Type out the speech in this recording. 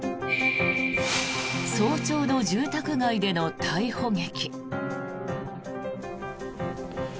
早朝の住宅街での逮捕劇。